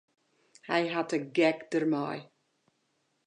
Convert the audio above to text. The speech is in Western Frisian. Hy hat de gek dermei.